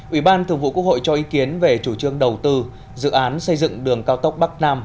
ủy ban thường vụ quốc hội cho ý kiến về chủ trương đầu tư dự án xây dựng đường cao tốc bắc nam